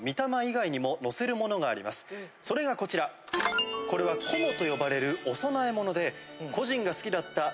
それがこちらこれはこもと呼ばれるお供え物で。